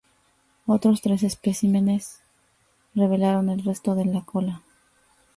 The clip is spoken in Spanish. Otros tres especímenes revelaron el resto de la cola.